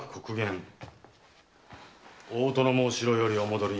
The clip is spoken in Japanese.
大殿もお城よりお戻りになる。